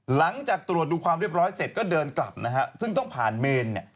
หลังจากตรวจดูความเรียบร้อยเสร็จก็เดินกลับนะฮะซึ่งต้องผ่านเมนเนี่ย